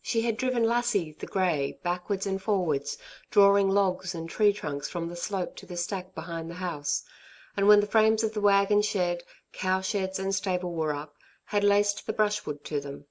She had driven Lassie, the grey, backwards and forwards, drawing logs and tree trunks from the slope to the stack behind the house, and when the frames of the wagon shed, cow sheds and stable were up, had laced the brushwood to them.